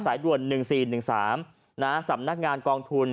ด่วน๑๔๑๓สำนักงานกองทุน